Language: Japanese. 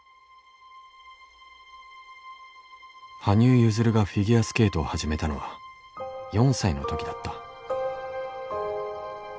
羽生結弦がフィギュアスケートを始めたのは４歳の時だった。